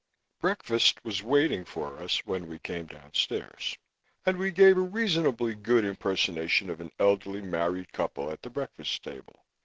Breakfast was waiting for us when we came downstairs and we gave a reasonably good impersonation of an elderly married couple at the breakfast table.